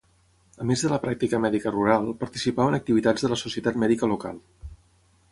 A més de la pràctica mèdica rural, participava en activitats de la societat mèdica local.